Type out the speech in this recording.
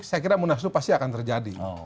saya kira munaslup pasti akan terjadi